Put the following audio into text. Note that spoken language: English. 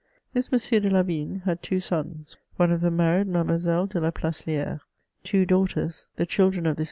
Thb M. de Lavigne had two sons ; one of fhem married Made moiselle de la Placeli^re. Two daughters, the children of this VOL.